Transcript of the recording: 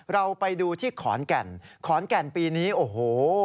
เราไปดูที่ขอนแก่นขอนแก่นปีนี้โอ้โห